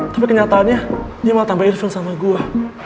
tapi kenyataannya dia malah tambah ill feel sama gua